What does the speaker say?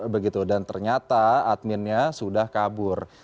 begitu dan ternyata adminnya sudah kabur